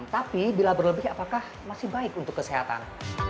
tapi bila berlebih apakah masih baik untuk kesehatan